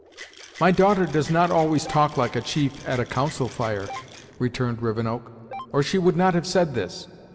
"My daughter does not always talk like a chief at a Council Fire," returned Rivenoak, "or she would not have said this.